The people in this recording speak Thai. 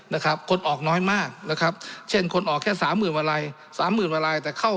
นะครับคนออกน้อยมากนะครับเช่นคนออกแค่สามหมื่นกว่าลายสามหมื่นกว่าลายแต่เข้า